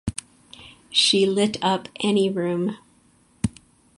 She lit up any room.